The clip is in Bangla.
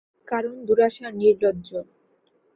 কারণ, দুরাশা নির্লজ্জ।